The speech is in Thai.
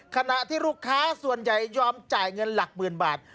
ขณะที่ลูกค้าส่วนใหญ่ยอมจ่ายเงินหลักหมื่นบาท